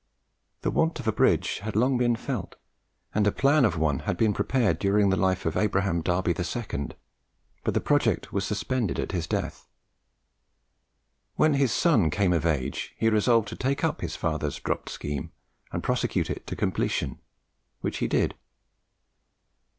The want of a bridge had long been felt, and a plan of one had been prepared during the life time of Abraham Darby the second; but the project was suspended at his death. When his son came of age, he resolved to take up his father's dropped scheme, and prosecute it to completion, which he did.